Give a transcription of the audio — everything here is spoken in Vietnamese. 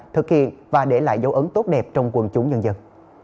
thực hiện và để lại dấu ấn tốt đẹp trong quần chúng nhân dân